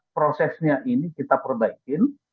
prosesnya ini kita perbaikin